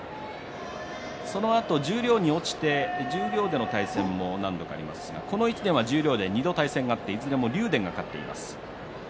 そのあと十両に落ちて十両での対戦も何度かありますがこの１年は２度対戦、いずれも竜電が勝っています。